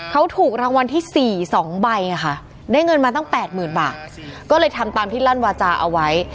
เขาถูกรางวัลที่๔๒ใบค่ะได้เงินมาตั้งแปดหมื่นบาทก็เลยทำตามที่ลั่นวาจาเอาไว้